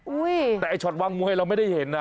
แต่ไอ้ช็อตวางมวยเราไม่ได้เห็นนะ